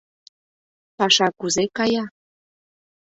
Паша кузе кая?